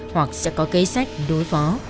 hoặc sẽ có kế sách đối phó